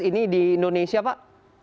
ini di indonesia pak